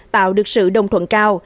tạo được sự đồng thuận cao